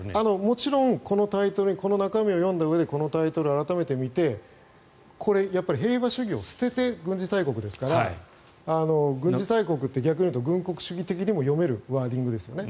もちろんこのタイトルを読んだうえでこのタイトル、改めて見て平和主義を捨てて軍事大国ですから軍事大国って、逆に言うと軍国主義的にも読めるワーディングですよね。